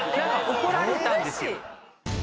怒られたんですよ。